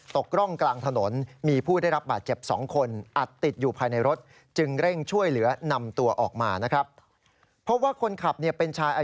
ตกร่องกลางถนนมีผู้ได้รับบาดเจ็บ๒คน